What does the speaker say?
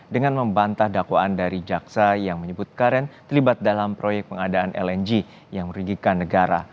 dengan membantah dakwaan dari jaksa yang menyebut karen terlibat dalam proyek pengadaan lng yang merugikan negara